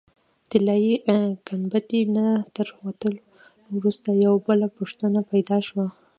طلایي ګنبدې نه تر وتلو وروسته یوه بله پوښتنه پیدا شوه.